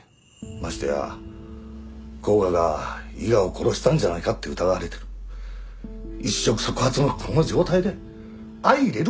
ましてや甲賀が伊賀を殺したんじゃないかって疑われてる一触即発のこの状態で相いれるわけないだろ！